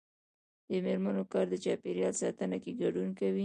د میرمنو کار د چاپیریال ساتنه کې ګډون کوي.